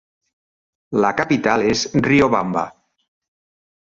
La capital és Riobamba.